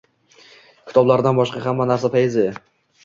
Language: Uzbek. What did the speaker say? Kitoblardan boshqa hamma narsa – poeziya.